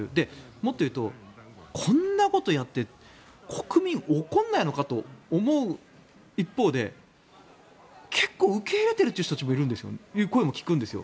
もっと言うとこんなことをやって国民は怒らないのかと思う一方で結構、受け入れているという声も聞くんですよ。